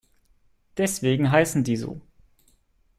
Deswegen heißen die so.